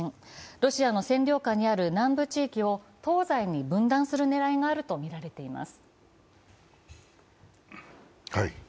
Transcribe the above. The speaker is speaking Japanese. ロシアの占領下にある南部地域を東西に分断するねらいがあるとみられています。